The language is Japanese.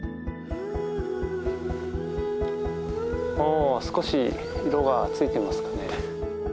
お少し色がついてますかね。